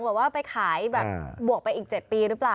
บอกว่าไปขายแบบบวกไปอีก๗ปีหรือเปล่า